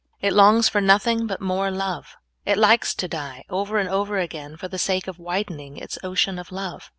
It longs for nothing but more love. It likes to die over and over again for the sake of widening its ocean of love.